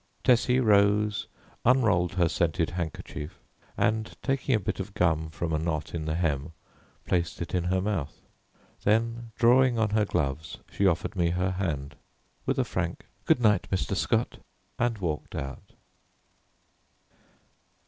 Tessie rose, unrolled her scented handkerchief, and taking a bit of gum from a knot in the hem, placed it in her mouth. Then drawing on her gloves she offered me her hand, with a frank, "Good night, Mr. Scott," and walked out.